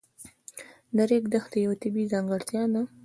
د ریګ دښتې یوه طبیعي ځانګړتیا ده.